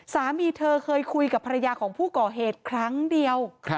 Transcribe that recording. สามีเธอเคยคุยกับภรรยาของผู้ก่อเหตุครั้งเดียว